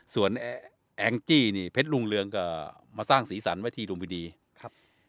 ส่วนแองจี้นี่เพ็ดลุงเรืองก็มาสร้างศรีสรรค์ไว้ที่ลุงบิดีครับ